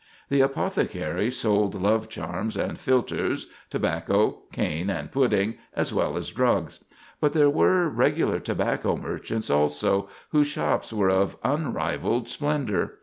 The apothecary sold love charms and philters, tobacco, cane, and pudding, as well as drugs; but there were regular tobacco merchants, also, whose shops were of unrivalled splendor.